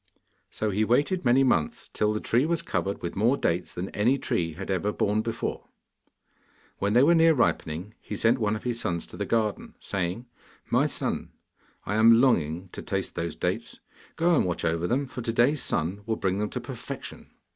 So he waited many months, till the tree was covered with more dates than any tree had ever borne before. When they were near ripening he sent one of his sons to the garden: saying, 'My son, I am longing to taste those dates: go and watch over them, for to day's sun will bring them to perfection.